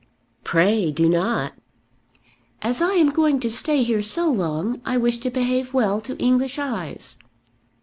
"Pray do not." "As I am going to stay here so long I wish to behave well to English eyes."